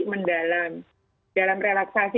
mendalam dalam relaksasi